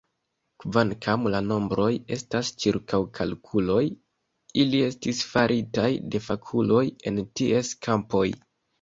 Kvankam la nombroj estas ĉirkaŭkalkuloj, ili estis faritaj de fakuloj en ties kampoj.